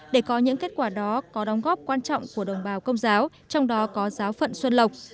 để có những kết quả đó có đóng góp quan trọng của đồng bào công giáo trong đó có giáo phận xuân lộc